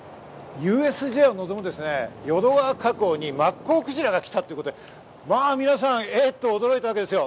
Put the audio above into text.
ＵＳＪを望む淀川河口にマッコウクジラが来たということで皆さん、えっ！って驚いたわけです。